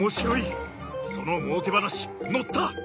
そのもうけ話乗った！